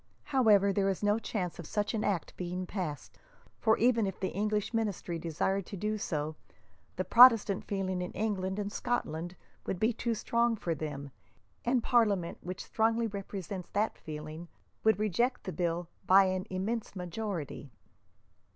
"However, there is no chance of such an act being passed, for, even if the English Ministry desired to do so, the Protestant feeling in England and Scotland would be too strong for them; and Parliament, which strongly represents that feeling, would reject the bill by an immense majority."